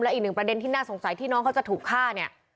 อีกหนึ่งประเด็นที่น่าสงสัยที่น้องเขาจะถูกฆ่าเนี่ย